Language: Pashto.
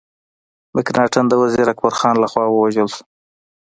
مکناټن د وزیر اکبر خان له خوا ووژل سو.